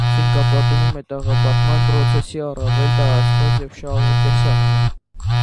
Ցինկապատումը մետաղապատման պրոցեսի առավել տարածված և շահավետ տեսակն է։